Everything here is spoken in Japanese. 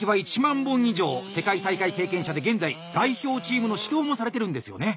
世界大会経験者で現在代表チームの指導もされてるんですよね？